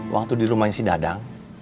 waktu di rumahnya si dadang